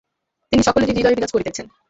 তিনি সকলেরই হৃদয়ে বিরাজ করিতেছেন।